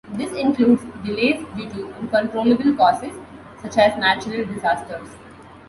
This includes delays due to uncontrollable causes, such as natural disasters.